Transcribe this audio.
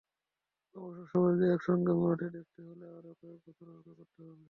অবশ্য সবাইকে একসঙ্গে মাঠে দেখতে হলে আরও কয়েক বছর অপেক্ষা করতে হবে।